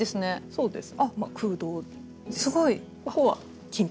そうです。